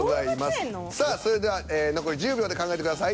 さあそれでは残り１０秒で考えてください。